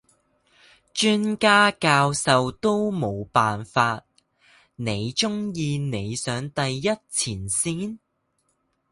專家教授都冇辦法，你中意你上第一前線？